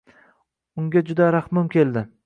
Unga juda rahmim keldi.